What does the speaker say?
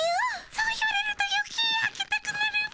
そう言われるとよけい開けたくなるっピィ。